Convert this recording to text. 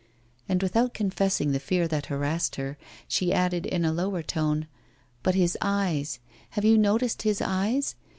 And without confessing the fear that harassed her, she added in a lower tone: 'But his eyes have you noticed his eyes?